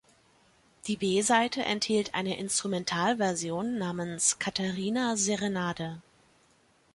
Die B-Seite enthielt eine Instrumentalversion namens "Catherina Serenade".